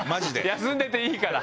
休んでていいから。